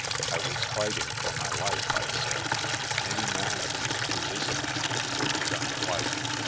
"I was fighting for my life," I said. "Any man of you who is a man would have done the like."